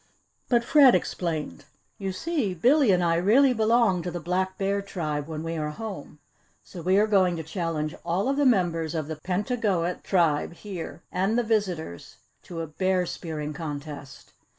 But Fred explained. "You see, Billy and I really belong to the Black Bear Tribe when we are home so we are going to challenge all of the members of the Pentagoet Tribe here and the visitors to a Bear Spearing contest.